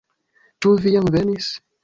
Ĉu vi jam venis?